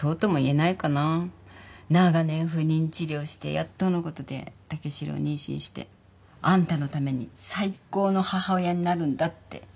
長年不妊治療してやっとのことで武四郎妊娠してあんたのために最高の母親になるんだって決めてたんだけどね。